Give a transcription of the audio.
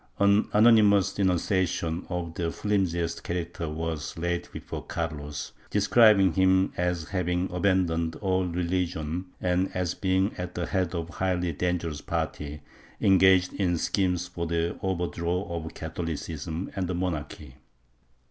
An anonymous denunciation of the flimsiest character was laid before Carlos, describing him as having aban doned all religion and as being at the head of a highly dangerous party, engaged in schemes for the overthrow of Catholicism and the monarchy.